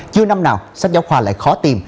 chưa năm nào sách giáo khoa lại khó tìm